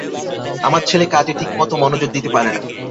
আমার ছেলে কাজে ঠিকমত মনোযোগ দিতে পারে না।